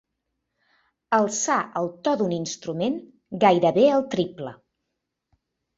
Alçar el to d'un instrument gairebé al triple.